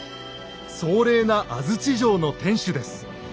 壮麗な安土城の天主です。